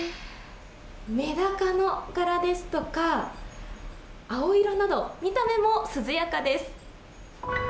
メダカの絵柄ですとか青色など見た目も涼やかです。